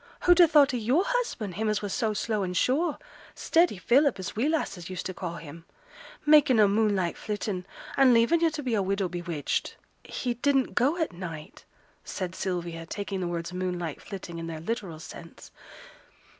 Who'd ha' thought of yo'r husband, him as was so slow and sure steady Philip, as we lasses used to ca' him makin' a moonlight flittin', and leavin' yo' to be a widow bewitched?' 'He didn't go at night,' said Sylvia, taking the words 'moonlight flitting' in their literal sense.